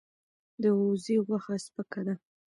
د وزې غوښه سپکه ده.